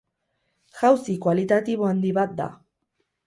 Jauzi kualitatibo handi bat da.